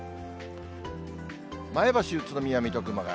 前橋、宇都宮、水戸、熊谷。